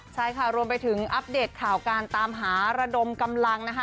ใช่ค่ะรวมไปถึงอัปเดตข่าวการตามหาระดมกำลังนะคะ